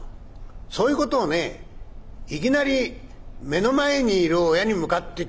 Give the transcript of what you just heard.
『そういうことをねいきなり目の前にいる親に向かって聞くのはね